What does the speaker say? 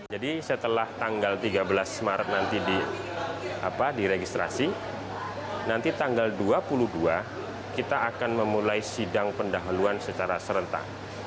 jadi setelah tanggal tiga belas maret nanti diregistrasi nanti tanggal dua puluh dua kita akan memulai sidang pendahuluan secara serentak